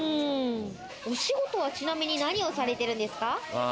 お仕事はちなみに何をされてるんですか？